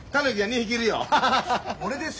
俺ですよ。